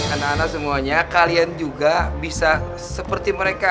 anak anak semuanya kalian juga bisa seperti mereka